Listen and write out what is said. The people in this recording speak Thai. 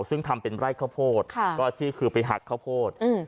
ซึ่งทำไปไล่ข้าวโพดเป็นวัฒนาที่คือไปหักข้าวโพด